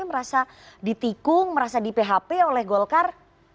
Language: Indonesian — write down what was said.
merasa ditikung merasa di php oleh golkar